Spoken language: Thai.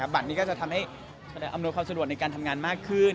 บัตรนี้ก็จะทำให้อำนวยความสะดวกในการทำงานมากขึ้น